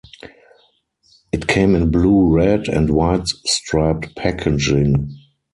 It came in blue red and white striped packaging.